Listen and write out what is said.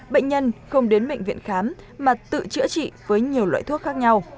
bệnh nhân không đến bệnh viện khám mà tự chữa trị với nhiều loại thuốc khác nhau